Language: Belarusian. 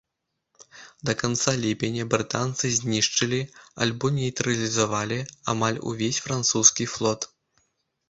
Да канца ліпеня брытанцы знішчылі альбо нейтралізавалі амаль увесь французскі флот.